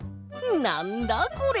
なんだこれ？